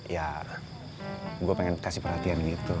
ya gue pengen kasih perhatian gitu